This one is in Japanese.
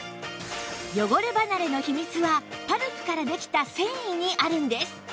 汚れ離れの秘密はパルプからできた繊維にあるんです